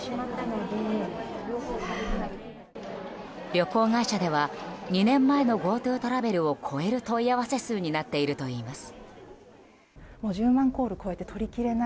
旅行会社では２年前のＧｏＴｏトラベルを超える問い合わせ数になっているといいます。